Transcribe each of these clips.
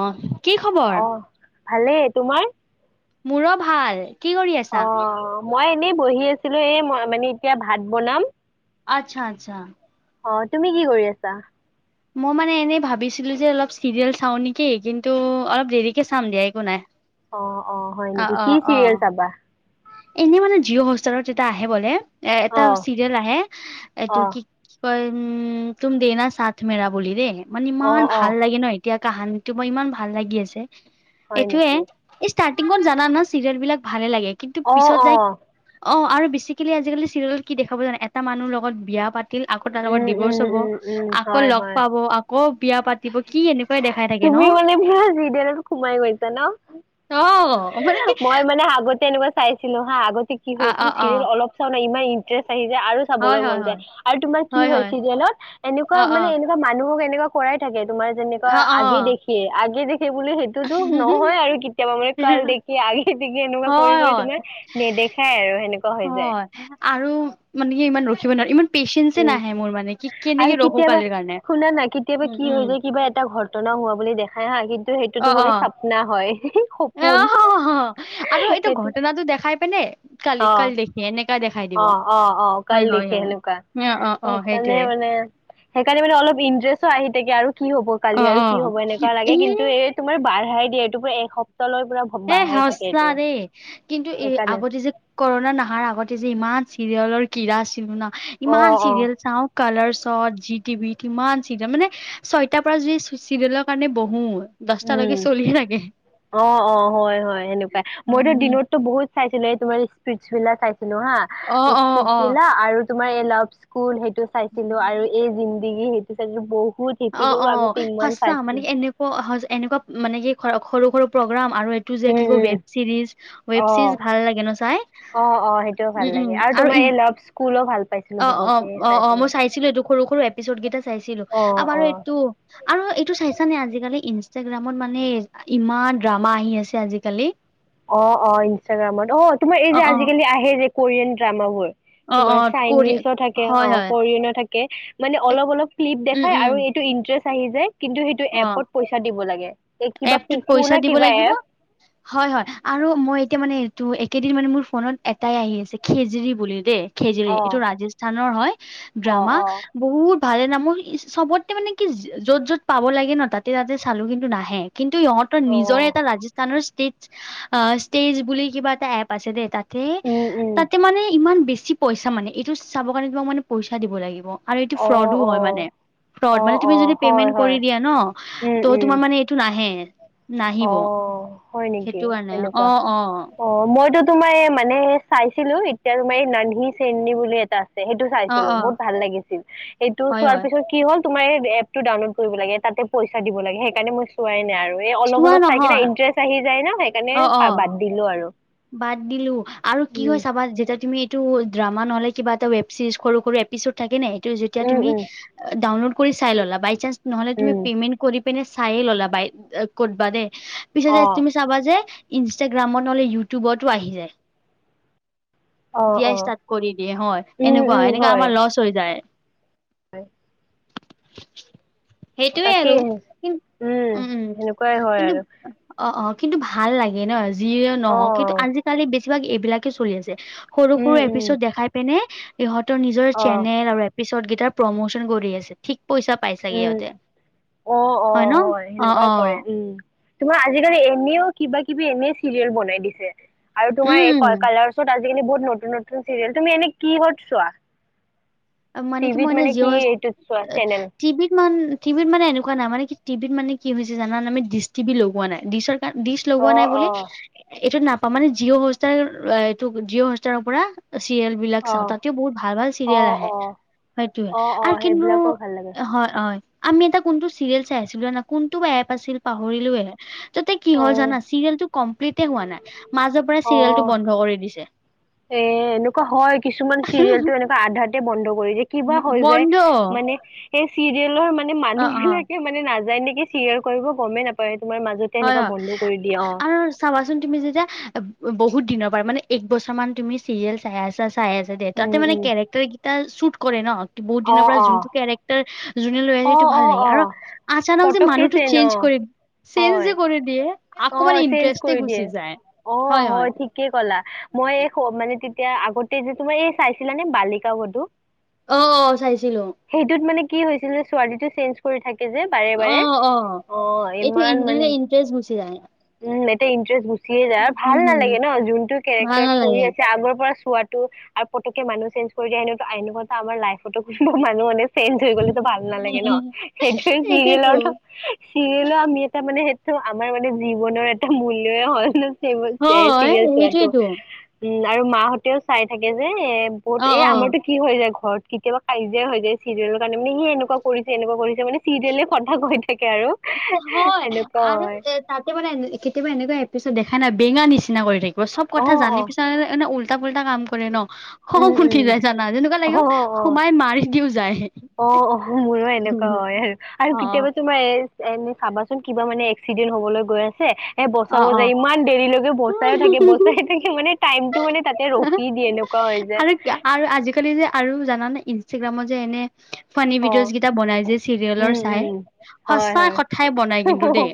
অহ, কি খবৰ? অ', ভালেই, তোমাৰ? মোৰো ভাল, কি কৰি আছা? অ', মই এনেই বহি আছিলো, এ মই মানে এতিয়া ভাত বনাম। আচ্ছা আচ্ছা। অঁ তুমি কি কৰি আছা? মই মানে এনেই ভাবিছিলো যে অলপ চিৰিয়েল চাওঁ নেকি, কিন্তু অলপ দেৰিকে চাম দিয়া একো নাই। অঁ অঁ হয় অ' নেকি, কি অ' চিৰিয়েল অ' চাবা? এনেই মানে জিঅ' হস্তাৰত এটা আহে, বোলে এ এটা অ', চিৰিয়েল আহে এইটো অ', কি কি কয় উম তুমি দে না চাথ মেৰা বুলি দেই, মানে ইমান অ', অ', ভাল লাগে নয়। এতিয়া কাহানীটো মই ইমান ভাল লাগি আছে, হয় এইটোয়ে। নেকি? এই ষ্টাৰ্টিঙত জানা না চিৰিয়েল বিলাক ভালে লাগে কিন্তু অ', পিছত যাই। অ', অঁ আৰু বেচিকেলি আজিকালি চিৰিয়েলত কি দেখাব জানে, এটা মানুহ লগত বিয়া পাত তিল, আকৌ তাৰ লগত উম, উম, ডিভৰ্চ হ'ব, উম, উম, আকৌ হয়, লগ হয়। পাব আকৌ বিয়া পাতিব কি এনে তুমি মানে বিৰাত চিৰিয়েলত সোমাই গৈছা ন। অ মানে কি মই মানে আগতে এনেকুৱা চাই ছিলো হা, আগতে কি অ অ হৈছিল অ চিয়েল অলপ চাও না ইমান ইন্টাৰেষ্ট আহি যায় আৰু হয় চাবলৈ হয় মন যায়, হয় আৰু তোমাৰ কি হয় চিৰিয়েলত অ এনেকুৱা অ মানে এনে মানুহক এনেকুৱা কৰাই থাকে। তোমাৰ যেনেকুৱা অ অ আগে দেখি আগে দেখি বুলি সেই তো নহয় আৰু কেতিয়াবা মানে কাল দেখি আগে দেখি এনেকুৱা কৰি হয় কৰি হয় তোমাৰ নেদেখাই আৰু সেনেকুৱা হৈ যায়। হয় আৰু মানে কি ইমান ৰখিব নোৱাৰো ইমান পেচেঞ্চে উম নাহে মোৰ মানে কি আৰু কেনেকে ৰখো কেতিয়াবা কালিৰ কাৰণে। শুনা নাই কি কেতিয়াবা উম হৈ উম গৈ কিবা এটা ঘটনা হোৱা বুলি দেখাই হা, কিন্তু সেইটোতো অ অ মানে চাপনা হয়। অ পোন আৰু এইটো ঘটনা টো দেখাই পেনে কালি কাল দেখি এনেকা দেখাই দি অঁ অঁ অঁ কাল দেখিয়ে হেনকা অঁ অঁ অঁ সেইটোয়ে। ছে, সেইকাৰণে মানে অলপ ইন্টাৰেষ্টো আহি থাকে আৰু কি হব অ কালি আৰু অ কি হ'ব। এনেকুৱা লাগে এ কিন্তু এই তোমাৰ বাঢ়াই দিয়ে এইটো পোৰা এসপ্তাহ লৈ পোৰা। এ সঁচা দেই কিন্তু এই সেইকাৰণে আগতে যে। কৰোণা নহাৰ আগতে যে ইমান চিৰিয়েলৰ কিৰা আছিলো না, অ ইমান অ চিৰিয়েল চাওঁ। কালাৰচত জি টিভি কিমান চিজন মানে ছয়টাৰ পৰা যদি চিৰিয়েলৰ কাৰণে বহো। দচটালৈকে চলিয়ে থাকে। অঁ অঁ হয় হয় সেনেকুৱাই, মইতো উম দিনতো বহুত চাইছিলো এই তোমাৰ স্পিছ ভিলা চাইছিলো হা অ অ স্পিছ অ ভিলা আৰু তোমাৰ এই লাভ স্কুল সেইটো চাইছিলো আৰু এই জিন্দগী সেইটো চাইছিলো, বহুত অ সেইটোতো অ আগতে ইমান সঁচা চাইছিলো মানে কি এনেকুৱা এনেকুৱা মানে কি সৰু সৰু প্ৰগ্ৰাম আৰু এ টোযে উম কি কই um web series web uh series ভাল লাগে ন চাই। অ অ সেইটোও ভাল উম উম লাগে আৰু তোমাৰ ল কুলো ভাল অ অ অ অ মই চাইছিলো এইটো সৰু সৰু এপিচদ কেইটা চাইছিলো অ আৰু অ বাৰু এইটো। আৰু এইটো চাইছা নে আজিকালি ইনষ্টাগ্ৰামত মানে ইমান ড্ৰামা আহি আছে আজিকালি। অ অ ইনষ্টাগ্ৰামত অ তোমাৰ এই যে আজিকালি আহে যে কোৰিয়ান ড্ৰামাবোৰ অ', তোমাৰ অ', কৰি চাইনিজ ও থাকে অ হয় হয় কোৰিয়ান ও থাকে। মানে এ অলপ অলপ ক্লিপ উম, দেখাই উম, আৰু এইটো ইন্টাৰেষ্ট আহি যায় কিন্ত সেইটো অ', এপত পইচা দিব লাগে কিবা এপটোত কুুকু পইচা নে দিব কিবা লাগিব এপ হয় হয় আৰু মই এতিয়া মানে এইটো একেদিন মানে মোৰ ফোনত এটাই আহি আছে খেযেৰি বুলি দেই। খেযেৰি অ এইটো ৰাজস্থানৰ হয় অ ড্ৰামা। অ বহুত ভালে না মোৰ চবতে মানে কি য'ত য'ত। পাব লাগে ন তাতে তাতে চালো কিন্তু নাহে কিন্তু ইহঁতৰ অ নিজৰে এটা ৰাজচ স্থানৰ ষ্টেজ ষ্টেজ বুলি কিবা এটা এপ আছে দে তাত তে উম উম তাতে মানে ইমান বেছি পইচা মানে এইটো চাব কাৰণে তোমাক মানে পইচা দিব লাগিব। আৰু এইটো অ ফ্ৰডো অ হয় মানে ফ্ৰড অ মানে অ তুমি যদি হয় পেইমেণ্ট কৰি হয় দিয়া ন উম ত উম তোমাৰ মানে এইটো নাহে। অ নাহিব হয় নেকি সেইটো কাৰণে অ তেনেকুৱা অ। অ মইতো তোমাৰ এ মানে হে চাইছিলো এতিয়া তোমাৰ এই নানহি চেনহি বুলি এটা। আছে সেইটো অ চাইছিলো অ বহুত ভাল লাগিছিল সেইটো হয় চোৱাৰ হয় পিছত কি হ'ল তোমাৰ এপ টো ডাউনলোড কৰিব লাগে তাতে পইচা দিব লাগে সেইকাৰণে মই চোৱাই নাই আৰু এই অ অলপ চোৱা চাই কিনে নহয় ইণ্টাৰেষ্ট আহি যায় ন সেইকাৰণে অ অ বাদ দিলো আৰু। বাদ দিলো আৰু কি উম হয় চাবা যেতিয়া তুমি টো ড্ৰামা নহলে কিবা এটা ৱেবচিজ সৰু সৰু এপিচড থাকে নাই এইটো যেতিয়া উম তুমি উম ডাউনলোড কৰি চাই ললা বাইচাঞ্চ নহ'লে তুমি উম পেমেণ্ট কৰি পিনে চায়ে ল'লা বাই কতবা দেই পিছত অ যে তুমি চাবা যে ইনষ্টাগ্ৰামত নহলে ইউটিউবতো আহি যায়। অ অ দিয়াই ষ্টাৰ্ট কৰি দিয়ে হয় উম এনেকুৱা উম এনেকা হয় আমাৰ লচ হৈ যায়। হয়। সেইটোৱে আৰু তাকেই কিন্ত উম সেনেকুৱাই হয় কিন্তু আৰু অ অ কিন্তু ভাল লাগে ন যিয়ে অ নহওক। কিন্তু আজিকালি বেছিভাগ এইবিলাকে চলি আছে সৰু উম সৰু উম এপিছত দেখাই পিনে ইহঁতৰ নিজৰ অ চেনেল আৰু এপিচড কেইটাৰ প্ৰমোচন কৰি আছে ঠিক পইচা পাইছাগে উম ইহঁতে অ', হয় ন অ', অ সেনেকুৱাই অ। কৰে উম। তোমাৰ আজিকালি এনেও কিবা কিবি এনে চিৰিয়েল বনাই দিছে আৰু তোমাৰ এই উম কালাৰছত কিনে বহুত নতুন নতুন চিৰিয়েল তুমি এনে কি ক'ত চোৱা? মানে কি টিভিত মই এনে জিঅ স এইটোত চোৱা আ চেনেল? টি ভিত মান টি ভিত মানে এনেকুৱা নাই কি টি ভিত মানে কি হৈছে জানা আমি ডিচ টি ভি লগোৱা নাই ডিচৰ ডিচ লগোৱা নাই অ', বুলি অ'। এইটো নাপাওঁ মানে জিঅ' হোষ্টাৰ এইটো জিঅ' হোষ্টাৰৰ পৰা চিৰিয়েল বিলাক চাওঁ অ', তাতেও বহুত ভাল ভাল চিৰিয়েল অ', আহে। অ', সেইটোয়ে অ', আৰু অ', কিন্তু সেইবিলাকো ভাল লাগে হয় হয়। আমি এটা কোনটো চিৰিয়েল চাই আছিলো ন কোনটো এপ আছিল পাহৰিলো এ ততে কি হল অ', জানা? চিৰিয়েলটো কমপ্লিতে হোৱা নাই, মাজৰ পৰা চিৰিয়েলটো অ'। বন্ধ কৰি দিছে। এ এনেকুৱা হয় কিছুমান চিৰিয়েলতো এনেকুৱা আধাতে বন্ধ কৰি দি কিবা হৈ যায় বন্ধ মানে সেই চিৰিয়েলৰ মানে অ অ মানুহবিলাকে মানে নাযায় নেকি চিৰিয়াল কৰিব গমেই নাপায় তোমাৰ মাজত হয় হয় আৰ চাবাচোন তুমি যেতিয়া আ ব বহুত দিনৰ পৰা মানে এক বছৰ মান তুমি চিৰিয়েল চাই আছা চাই আছা দে উম তাহাতে মানে উম কেৰেক্টাৰ কেইটা চুট কৰে ন। বহুত অ দিনৰ পৰা অ যোনটো কেৰেক তাৰ জোনে লৈ অ আহিটো অ ভাল লাগে অ আৰু আচানক যে পতককে মানুহটো চেন অ চেঞ্জ কৰি চেঞ্জ হয় যে কৰি দিয়ে অ আকৌ মানে চেঞ্জ ইন্টাৰেষ্টে কৰি গুচি দিয়ে, যায় অ হয় ঠিক কি কলা মই এই স মানে তেতিয়া আগতে যে তোমাৰ এই চাইছিলা নে বালিকা বধু? অ অ চাইছিলো। সেইটোত মানে কি হৈছিল যে ছোৱালীটো চেঞ্জ কৰি থাকে যে বাৰে বাৰে অ ইমান মানে ছেচ গুচি য়ায়। উম এয়া ইণ্টাৰেষ্ট গুচিয়ে যায় আৰু ভাল হম হম নালাগে ন যোনটো ভাল কেৰেক্টাৰ কৰি নালাগে আছে আগৰ পৰা চোৱাত টো আৰু পতককে মানুহ চেঞ্জ কৰি দিয়া সেনেকুৱা আইনখনত আমাৰ লাইফতো হুহু মানুহ নে চেঞ্জ হৈ গলেতো ভাল নালাগে ন সেইটোৱে সেইটোয়েতো চিৰিয়েলৰটো চিৰিয়েলো আমি এটা মানে সেইটো আমাৰ মানে জীৱনৰ এট টা মূল্য হয় ন ছেবল ছেই হয় ছিৰিয়েল চোৱাটো। সেইটোয়েতো উম আৰু মাহঁতেও চাই থাকে যে এ বহুত অ এই অ আমাৰতো কি হৈ যায় ঘৰত কেতিয়াবা কাজিয়া হৈ যায় চিৰিয়েলৰ কাৰণে মানে সি এনেকুৱা কৰিছে এনেকুৱা কৰিছে মানে চিৰিয়েলে কথা কৈ থাকে আৰু এহ এহ হয় সেনেকুৱা আৰু হয়। এ তাতে মানে কেতিয়াবা এনেকুৱা এপিছড দেখা নাই বেঙা নিচিনা কৰি থাক বচব কথা অ', জানি অ'। পিছা এনে এনে উল্টা পুলটা কাম কৰে ন? হহ উম উম ফুঠি যায় জানা যেনেকুৱা অ লাগে অ সোমাই মাৰি দিও যায়। অ অহ মোৰো এনেকুৱা হয় আৰু অ আৰু কেতিয়াবাতো তোমাৰ ৰে এনে চাবাচোন কিবা মানে এক্সিডেন্ট হবলৈ গৈ আছে এ অ বচাব অ যায় ইমান দেৰিলৈকে বচাই থাকে বচাই থাকে মানে টাইমটো মানে তাতে ৰখি দিয়ে এনেকুৱা হয় আৰু যায়। আৰু আজিকালি যে আৰু জানানে ইনষ্টাগ্ৰামত যে এনে ফানী অ ভিডিঅ'জ কেইটা বনাই যে উম চিৰিয়েলৰ চাই উম হয় সঁচাই হয় কথাই বনাই কিন্তু দেই,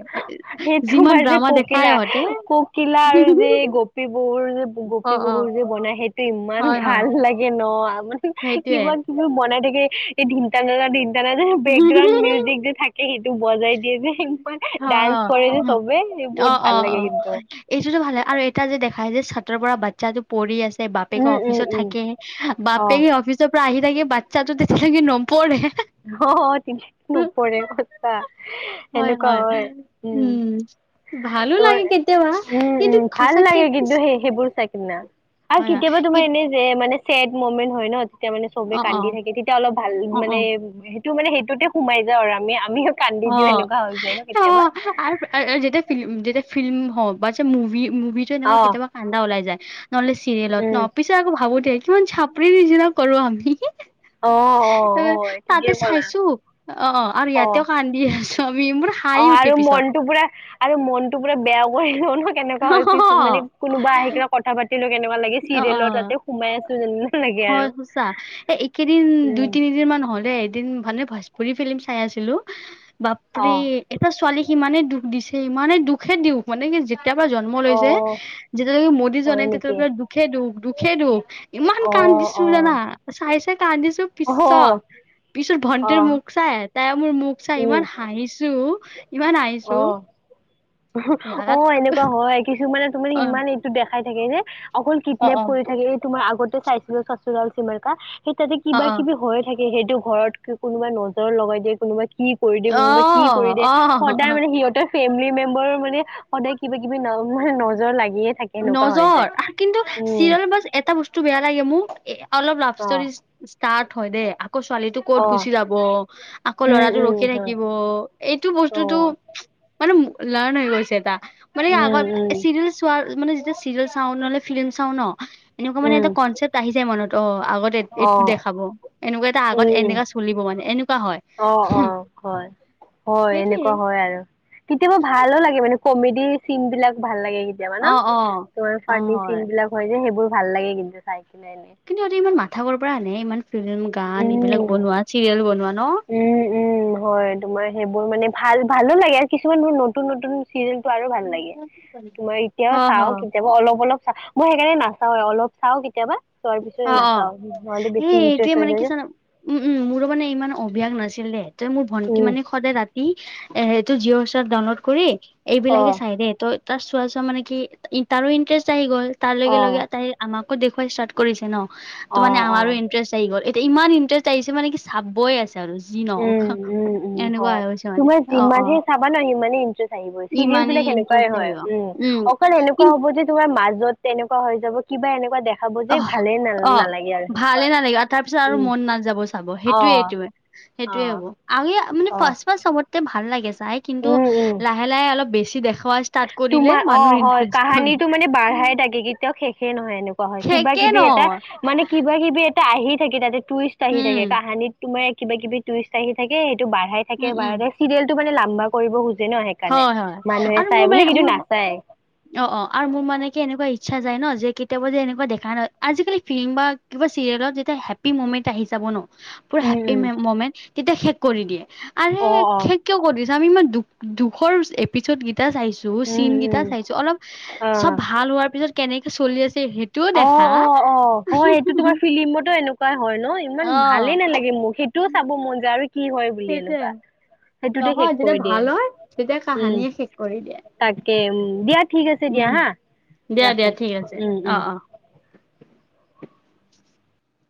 সেই যিমান ড্ৰামা দেখাই ইহঁতে ছিলা আৰু যে গ পী বহুৰ অ গপী অ বহু যে বনাই সেইটো ইমান হয় হয় ভাল লাগে ন আমাৰ সেইটোয়ে কিবা কিবি বনাই থাকে এই ধিন টানানা ধিন টানানা বেকগ্ৰাউণ্ড মিউজিক যে থাক সেইটো বজাই দিয়ে যে ইমান হয় ডান্স কৰে যে হয় চবে সেই অ বহুত অ ভাল অ লাগে কিন্তু। এইটোতো ভাল হয় আৰু এটা যে দেখা যায় যে ছাতৰ পৰা বাচ্ছাটো পৰি আছে বাপেকে উম উম অফিচত উম থাকে, অ বাপেকে অফিচ চ পৰা আহি থাকে বাচ্ছাটো তেনেকে নপঢ়ে। অ তিনি নোপৰে সচা। সেনেকুৱা হয় উম। ভালো তোমাৰ, লাগে কেতিয়াবা উম কিন্তু উম ভাল সঁচাকে লাগে কিন্তু সেই সেইবোৰ চাই কিনা আৰু হয় হয় কেতিয়াবা কি তোমাৰ এনে যে মানে ছেড মমেন্ট হয় ন তেতিয়া মানে চবে অ অ কান্দি থাকে তেতিয়া অলপ ভাল অ অ মানে সেইটো মানে সেইটোতে সোমাই যাওঁ আৰু আমি আমি। কান্দি অ দিও এনেকুৱা হৈ যায় ন অ কেতিয়াবা? যেতিয়া ফিল্ম যেতিয়া ফিল্ম হওঁক বা যে মুভি মুভিটো এনেকুৱা অ', কেতিয়াবা কান্দা ওলাই যায়। নহলে চিৰিয়েলত ন উম, পিছত আকৌ ভাবো দিয় কিমান চাপৰি নিচিনা কৰোঁ আমি। অ', অ', এ হয় তাতে ঠিকেই ক'লা চাইছো অ আৰু ইয়াত- অ'। তেওঁ কান্দি আছোঁ আমি মোৰ হাঁহি অ', উঠে আৰু পিছত। মনটো পুৰা আৰু মনতটো পুৰা বেয়া কৰি লও ন কেনেকুৱা হৈছো মানে কোনোবা আহি কথা পাতি কেনেকুৱা লাগে অ অ চিৰিয়েলৰ তাতে সোমাই আছোঁ যেনেুৱা লাগে হয় আৰু এ চা সঁচা একেইদিন দুই উম, তিনিদিন মান হলে এদিন মানে ভোজপুৰী ফিল্ম চাই আছিলোঁ বাপৰে অ', এটা ছোৱালীক ইমানেই দুখ দিছে ইমানেই দুখে দিও মানে কি? তেতিয়াৰ পৰা জন্ম লৈছে অ', যেতিয়ালৈকে মৰি যোৱা হয় নাই তেতিয়াৰ নেকি? পৰা পৰা দুখে দুখ দুখে দুখ। ইমান অ', কান্দিছোঁ জানা অ', চাই চাই কান্দিছোঁ। পিছত অ', পিছত ভন্টিৰ অ', মুখ চাই তাই মোৰ মুখ চাই ইমান উম, হাঁহিছো। ইমান অ হাঁহিছো অ লাগাত এনেকুৱা হয়। কিছুমানে তুমি অ ইমান এইটো দেখাই থাকে যে অকল অ কিডনেপ অ কৰি থাকে। তোমাৰ আগতে চাইছিলো চচুৰাল চিমাৰকা সেই তাতে অ কিবা কিবি হয়। থাকে সেইটো ঘৰত কোনোবা নজৰ লগাই দিয়ে কোনোবা কি কৰি দিয়ে অ কোনোবা কি কৰি দিয়ে? অ সদায় অ মানে সিহঁতৰ ফেমিলি মেম্বাৰৰ মানে সদায় কিবা কিবি ন মানে নজৰ লাগিয়ে থাকে? সেনেকুৱা হৈ যায়। নজৰ আহ কিন্তু উম, চিৰিয়েলত এটা বস্তু বেয়া লাগে মোক অলপ লাভ অ', ষ্টতৰি ষ্টাৰত হয় দে আকৌ ছোৱালীটোক- ক'ত অ', গুচি যাব আকৌ উম, ল'ৰাটো উম, ৰখি হয়, থাকিব এইটো বস্তুতটো। অ', মানে লাৰ্ণ হৈ গৈছে এটা মানে উম, আগত উম, চিৰিয়েল চোৱাৰ। মানে যেতিয়া চিৰিয়েল চাও নহলে ফিল্ম চাওঁ ন এনেকুৱা মানে উম, এটা কনচেপ্ট আহি যায় মনত অ আগতে এইটো অ', দেখাব এনেকুৱা এটা আগত উম, উম। এনেককা চলিব মানে এনেকুৱা হয়। অ অ হয় হয় সেইটোয়ে এনেকুৱা হয় আৰু কেতিয়াবা ভালো লাগে মানে কমেডি চিন বিলাক ভাল লাগে? কেতিয়াবা ন অ মান অ ন তোমাৰ অ হয় ফানিচিন বিলাক হয় যে সেইবোৰ ভাল লাগে কিন্তু চাই কিনে এনে কিন্তু ইহঁতে ইমান মাথা পৰা আনে ইমান ফিল্ম গান এইবিলাক উম। বনোৱা চিৰিয়েল বনোৱা ন। উম উম হয় তোমাৰ সেইবোৰ মানে ভাল ভালো লাগে আৰু কিছুমান নতুন-নতুন। চিৰিয়েলটো আৰু ভাল লাগে তোমাৰ অ এতিয়াও হ চাও কেতিয়াবা অলপ অলপ মই সেইকাৰণে নাচাও অলপ চাওঁ কেতিয়াবা? চোৱাৰ অ পিছয় অ নাচাও নহ'লে বেছি এই এইটোৱে ইণ্টাৰেষ্ট হৈ মানে কি যায় যে। জান উম উম মোৰো মানে ইমান অভ্যাস নাছিল দেই তই মোৰ ভন্টি উম, মানে সদায় ৰাতি এ এইটো জিঅ' চ ডাউনলোড কৰি এইবিলাকে অ', চাই দে ত- তাৰ চোৱা চোৱা মানে কি তাৰো ইণ্টাৰেষ্ট আহি গ'ল তাৰ লগে লগে অ', তাই আমাকো দেখুৱাই ষ্টাৰ্ট। কৰিছে ন ত মানে অ', আমাৰো অ'। ইণ্টাৰেষ্ট আহি গ'ল এতিয়া ইমান ইন্টাৰেষ্ট আহিছে মানে কি চাবই আছে? আৰু যি নহওক উম, উম, উম, এনেকুৱা হয়। হৈছে মানে তোমাৰ অ', অ', যিমানে চাবা নহয় ইমানেই ইন্টাৰেষ্ট আহি গ'ল ই চিৰিয়েল মানে বিলাক এনেকুৱাই ইণ্টাৰেষ্ট হয় আহিব উম অকল এনেকুৱা কিন হ'ব যে। তোমাৰ মাজত তেনেকুৱা হৈ যাব কিবা এনেকুৱা দেখা? অ', অ', ভালেই নালাগে তাৰপিছত আৰু উম, মন নাযাব চাব সেইটোয়ে অ', এইটোৱে- সেইটোয়ে হ'ব অ', আহি মানে অ', ফাষ্ট ফাষ্ট চবতকে ভাল লাগে চাই কিন্তু উম, উম। লাহে লাহে লাহে অলপ বেছি দেখুৱা তোমাৰ অ', হয় কাহানিটো মানে বাঢ়াই থাকে কেতিয়াও শেষে নহয় এনেকুৱা কোৱা হয় কিবা থাকে ন কিবি এটা? মানে কিবা কিবি এটা আহি থাকে তাতে টুৰিষ্ট আহি থাকে উম কাহানিত তোমাৰ কিবা কিবি টুৰিষ্ট আহি থাকে সেইটো বাঢ়াই থাকে উম উম বাঢ়াই চিৰিয়েলটো মানে লাম্বা কৰিব খোজে ন- সেইকাৰণে হয় হয় মানুহে আৰু চাই মোৰ মে বুলি কিন্তু মোৰ নাচায় অ', অ', আৰু মোৰ মানে কি এনেকুৱা ইচ্ছা যায় ন যে কেতিয়াবা যে এনেকুৱা দেখা নাই আজিকালি ফিলিং বা কিবা চিৰিয়েলত যেতিয়া হেপী মুমেন্ট আহি যাব ন- পুৰা উম হেপী উম মুমেণ্ট তেতিয়া শেষ কৰি দিয়ে আৰু অ অ শেষ কিয় কৰি দিছো আমি ইমান দুখ দুখৰ এপিছড গেইটা চাইছো উম চিনকেইটা উম চাইছো অলপ অ চব ভাল হোৱাৰ পিছত। কেনেকে চলি আছে সেই- অ', অ', অ', হয় সেইটো তোমাৰ ফিলিমতো এনেকুৱাই হয় ন ইমান অ ভালেই নালাগে মোক সেই- মোৰ চাব মন যায় আৰু- কি হয় বুলি সেইটোয়ে এনেকুৱা সেইটোতে নহয় শেষ যেতিয়া কৰি দিয়ে ভাল হয় তেতিয়া উম। কাহানীয়ে শেষ কৰি দিয়া। তাকে উম দিয়া ঠিক আছে দিয়া হা দিয়া ৰাখো দিয়া ঠিক আছে উম অ উম। অ